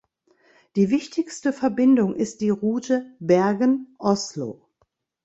Die wichtigste Verbindung ist die Route Bergen-Oslo.